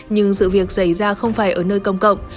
nhưng sự việc xảy ra không phải ở nơi công cộng